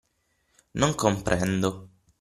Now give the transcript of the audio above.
Non comprendo.